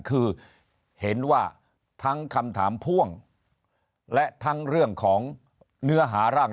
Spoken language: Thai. คือเห็นว่าทั้งคำถามพ่วงและทั้งเรื่องของเนื้อหาร่าง